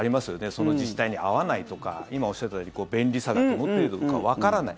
その自治体に合わないとか今、おっしゃったように便利さが整っているのかわからない。